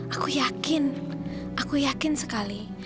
aku yakin aku yakin sekali